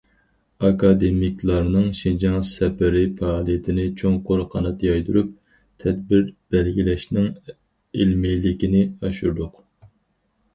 ئاكادېمىكلارنىڭ شىنجاڭ سەپىرى پائالىيىتىنى چوڭقۇر قانات يايدۇرۇپ، تەدبىر بەلگىلەشنىڭ ئىلمىيلىكىنى ئاشۇردۇق.